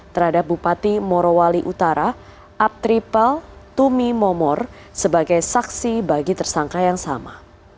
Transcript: terhadap bupati morowali utara aptripel tumi momor sebagai saksi bagi tersangka yang sama